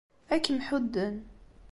Ad kem-ḥudden.